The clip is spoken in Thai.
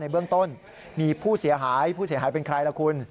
เบื้องต้นมีผู้เสียหายผู้เสียหายเป็นใครล่ะคุณ